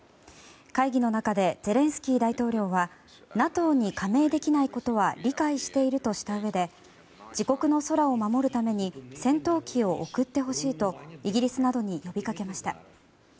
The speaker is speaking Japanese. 会議の中でゼレンスキー大統領はＮＡＴＯに加盟できないことは理解しているとしたうえで自国の空を守るために戦闘機を送ってほしいとイギリスなどに呼びかけました。